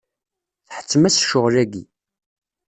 Tḥettem-as ccɣel-agi.